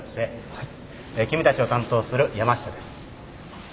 君たちを担当する山下です。